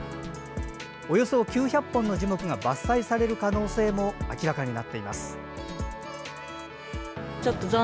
およそ９００本の樹木が伐採される可能性も明らかになっています。